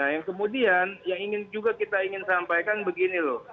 yang kemudian yang ingin juga kita ingin sampaikan begini loh